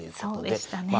そうでしたね。